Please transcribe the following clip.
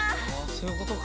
そういうことか。